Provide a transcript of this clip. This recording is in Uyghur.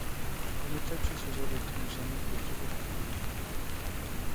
بۇنى تەپسىلىي سۆزلەپ ئولتۇرمىساممۇ كۆپچىلىك ئوبدان بىلىدۇ.